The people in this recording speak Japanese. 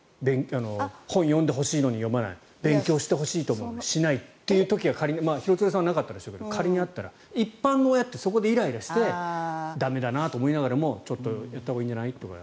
本を読んでほしいのに読まない勉強してほしいのにやらないということが仮に廣津留さんはなかったでしょうけど仮にあったら一般の親ってそこでイライラして駄目だなと思いながらもちょっとやったほうがいいんじゃない？とか。